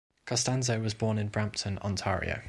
Costanzo was born in Brampton, Ontario.